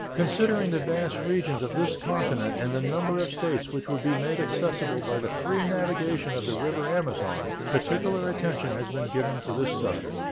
Considering the vast regions of this continent and the number of states which would be made accessible by the free navigation of the river Amazon, particular attention has been given to this subject.